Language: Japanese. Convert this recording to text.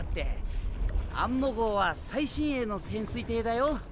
アンモ号は最新鋭の潜水艇だよ。